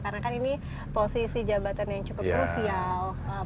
karena kan ini posisi jabatan yang cukup krusial